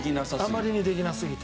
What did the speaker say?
あまりにできなさすぎて。